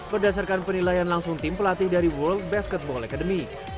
berdasarkan penilaian langsung tim pelatih dari world basketball academy